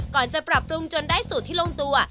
จะปรับปรุงจนได้สูตรที่ลงตัว